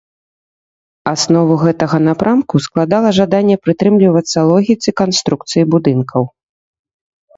Аснову гэтага напрамку складала жаданне прытрымлівацца логіцы канструкцыі будынкаў.